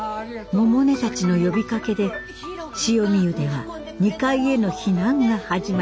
百音たちの呼びかけで汐見湯では２階への避難が始まりました。